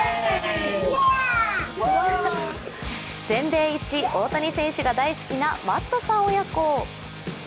全米一、大谷選手が大好きなマットさん親子。